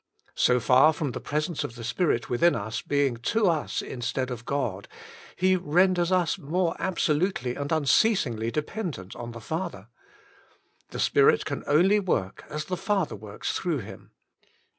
'' So far from the presence of the Spirit within us being to us instead of God, He renders us more absolutely and unceasingly dependent on the 144 The Inner Chamber Father. The Spirit can only work as the Father works through Him.